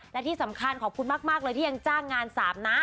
และที่สำคัญขอบคุณมากเลยที่ยังจ้างงานสาบนะ